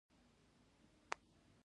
ایا زه باید جوار وخورم؟